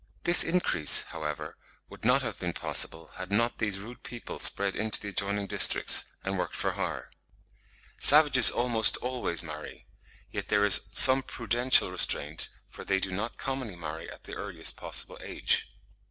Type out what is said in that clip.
This increase, however, would not have been possible had not these rude people spread into the adjoining districts, and worked for hire. Savages almost always marry; yet there is some prudential restraint, for they do not commonly marry at the earliest possible age.